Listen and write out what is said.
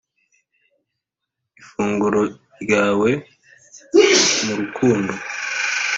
‘ifunguro ryawe mu rukundo’